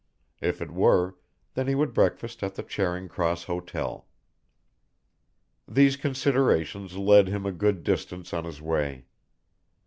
If it were, then he could breakfast at the Charing Cross Hotel. These considerations led him a good distance on his way.